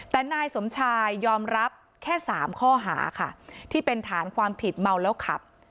แต่นายสมชายยอมรับแค่๓ข้อหาค่ะที่เป็นฐานความผิดเมาแล้วขับ